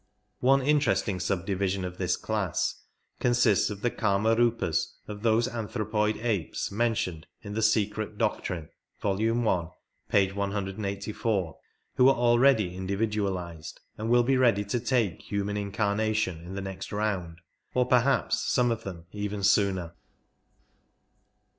One interesting subdivision of this class consists of the Kama r<ipas of those anthropoid apes mentioned in The Secret Doctrine (vol. i., p. 184) who are already individualized, and will he ready to take human incarnation in the next round, or perhaps some of them even sooner.